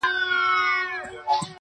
o فقر بې مائې کسب دئ!